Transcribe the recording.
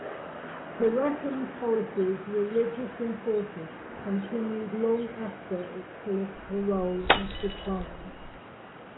Hierakonpolis’s religious importance continued long after its political role had declined.